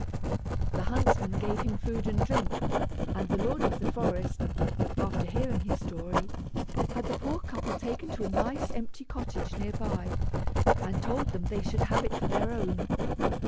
The huntsman gave him food and drink; and the lord of the forest, after hearing his story, had the poor couple taken to a nice empty cottage near by, and told them they should have it for their own.